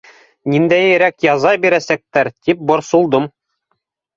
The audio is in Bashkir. Ниндәйерәк яза бирәсәктәр, тип борсолдом.